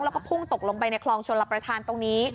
แล้วก็พุ่งตกลงไปในคลองชนรับประทานตรงนี้